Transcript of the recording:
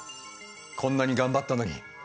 こんなに頑張ったのに。